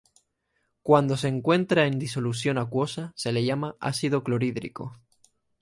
Cuando se encuentra en disolución acuosa se le llama ácido clorhídrico.